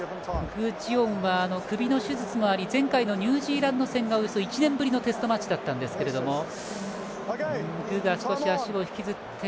具智元は首の手術もあり前回のニュージーランド戦がおよそ１年ぶりのテストマッチだったんですが具が少し足を引きずって。